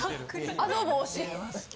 あの帽子。